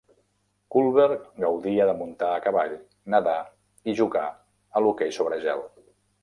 Culver gaudia de muntar a cavall, nedar i jugar a l'hoquei sobre gel.